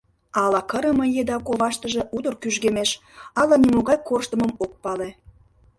Ала кырыме еда коваштыже утыр кӱжгемеш, ала нимогай корштымым ок пале.